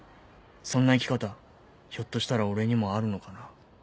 そんな生き方ひょっとしたら俺にもあるのかな？